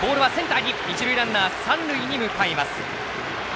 一塁ランナー、三塁に向かいます。